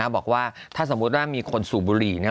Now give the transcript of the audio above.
บอกว่าถ้าสมมุติว่ามีคนสูบบุหรี่